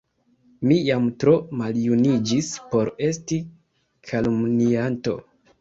mi jam tro maljuniĝis por esti kalumnianto!